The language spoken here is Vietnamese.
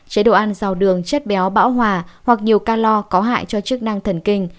chế độ ăn giàu đường chất béo bão hòa hoặc nhiều ca lo có hại cho chức năng thần kinh